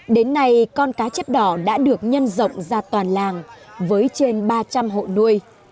đến nay con cá chép đỏ đã được nhân rộng ra toàn làng với trên ba trăm linh hộ nuôi